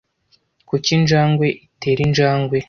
Kuki injangwe itera injangwe?